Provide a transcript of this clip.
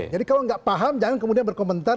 jadi kalau tidak paham jangan kemudian berkomentar